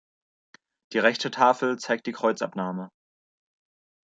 Die rechte Tafel zeigt die Kreuzabnahme.